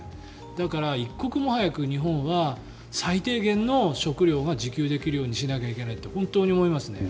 だから、一刻も早く日本は最低限の食料は自給できるようにしなきゃいけないって本当に思いますね。